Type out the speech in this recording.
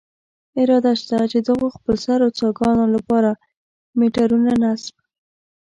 اراده شته، چې دغو خپلسرو څاګانو له پاره میټرونه نصب.